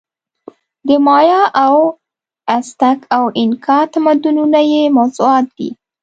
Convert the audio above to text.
د مایا او ازتک او اینکا تمدنونه یې موضوعات دي.